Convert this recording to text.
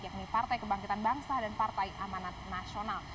yakni partai kebangkitan bangsa dan partai amanat nasional